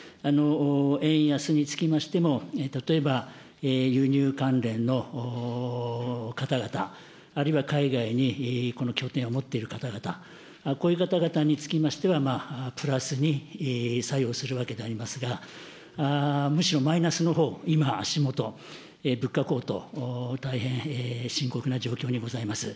円安につきましても、例えば輸入関連の方々、あるいは海外に拠点を持っている方々、こういう方々につきましては、プラスに作用するわけでありますが、むしろマイナスのほう、今、足下、物価高騰、大変深刻な状況にございます。